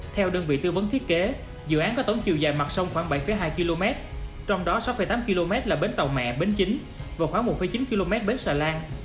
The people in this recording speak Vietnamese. theo đơn vị tư vấn thiết kế dự án có tổng chiều dài mặt sông khoảng bảy hai km trong đó sáu tám km là bến tàu mẹ bến chính và khoảng một chín km bến xà lan